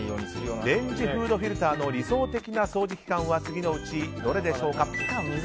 レンジフードのフィルターの理想的な掃除期間は次のうちどれでしょうか？